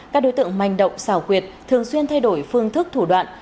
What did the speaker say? các đối tượng manh động xảo quyệt thường xuyên thay đổi phương thức thủ đoạn